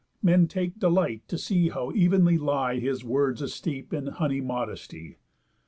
Men take delight to see how ev'nly lie His words asteep in honey modesty.